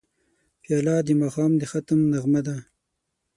پیاله د ماښام د ختم نغمه ده.